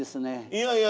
いやいや。